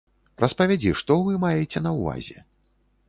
Распавядзі, што вы маеце на ўвазе?